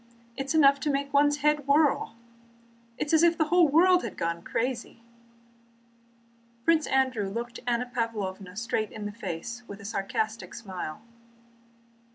It is enough to make one's head whirl! It is as if the whole world had gone crazy." Prince Andrew looked Anna Pávlovna straight in the face with a sarcastic smile.